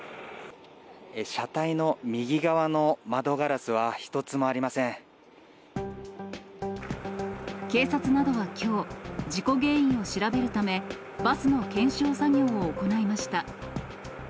車体の右側の窓ガラスは一つ警察などはきょう、事故原因を調べるため、バスの検証作業を行いました。